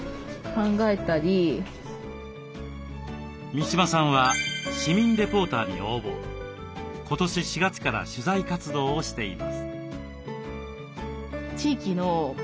三嶋さんは市民レポーターに応募今年４月から取材活動をしています。